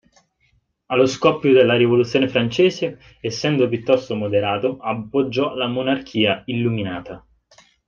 Allo scoppio della Rivoluzione francese, essendo piuttosto moderato, appoggiò la monarchia illuminata.